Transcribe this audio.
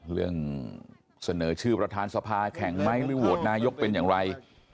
เรื่องเสนอชื่อประธานสภาแข่งไหมหรือโหวตนายกเป็นอย่างไร